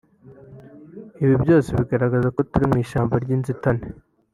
… ibi byose biragaragaza ko turi mu ishyamba ry’inzitane